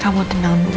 kamu tenang dulu ya